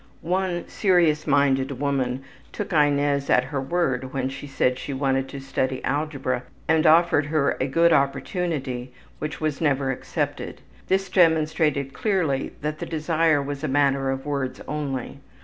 One serious minded woman took Inez at her word when she said she wanted to study algebra and offered her a good opportunity which was never accepted. This demonstrated clearly that the desire was a matter of words only.